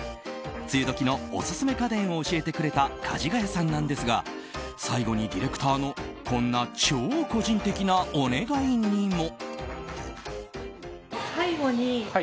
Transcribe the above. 梅雨時のオススメ家電を教えてくれたかじがやさんなんですが最後にディレクターのこんな超個人的なお願いにも。